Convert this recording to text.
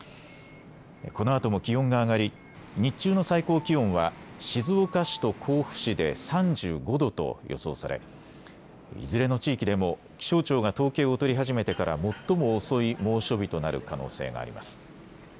このあとも気温が上がり日中の最高気温は静岡市と甲府市で３５度と予想されいずれの地域でも気象庁が統計を取り始めてから最も遅い猛暑日となる可能性があります。